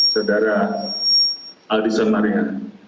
saudara aldison maria